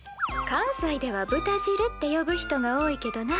関西では「ぶたじる」って呼ぶ人が多いけどな。